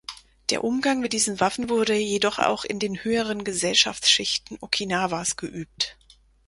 Der Umgang mit diesen Waffen wurde jedoch auch in den höheren Gesellschaftsschichten Okinawas geübt.